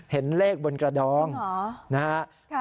เห็นเลขบนกระดองจริงหรอ